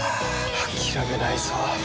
諦めないぞ。